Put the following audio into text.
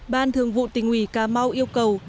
ban thường vụ tỉnh uỷ cà mau yêu cầu